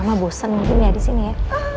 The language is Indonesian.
mama bosan mungkin ya disini ya